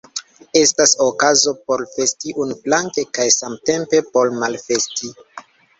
Estas okazo por festi unuflanke kaj samtempe por malfesti.